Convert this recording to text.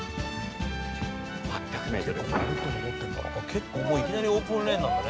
結構いきなりオープンレーンなんだね。